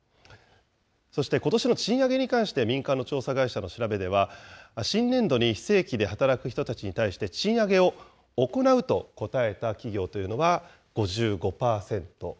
そして、ことしの賃上げに関して民間の調査会社の調べでは、新年度に非正規で働く人たちに対して賃上げを行うと答えた企業というのは５５％。